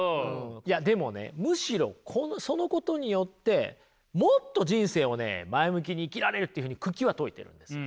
いやでもねむしろそのことによってもっと人生をね前向きに生きられるっていうふうに九鬼は説いてるんですよ。